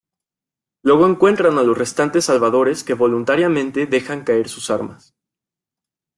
Luego encuentran a los restantes salvadores que voluntariamente dejan caer sus armas.